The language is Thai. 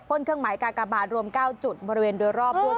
เครื่องหมายกากบาทรวม๙จุดบริเวณโดยรอบด้วย